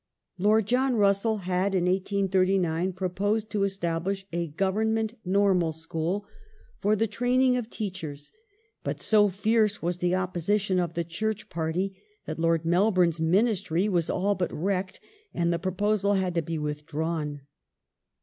*'^ Lord John Russell had in 1839 proposed to establish a Government Normal school for the training of teachers, but so fierce was the opposition of the Church party, that Lord Mel bourne's Ministry was all but wrecked and the proposal had to be withdrawn.